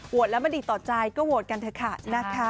แล้วมันดีต่อใจก็โหวตกันเถอะค่ะนะคะ